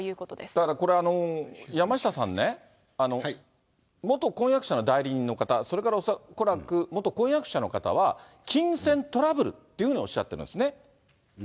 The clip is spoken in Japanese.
だからこれ、山下さんね、元婚約者の代理人の方、それから恐らく、元婚約者の方は、金銭トラブルっていうのをおっしゃってるんですね。